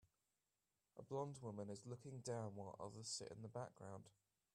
A blond woman is looking down while others sit in the background.